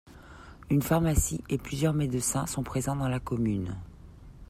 Une pharmacie et plusieurs médecins sont présents dans la commune.